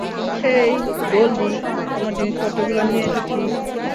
হেই, Goldie, তোমার জিনিসগুলো নিয়ে এসেছি।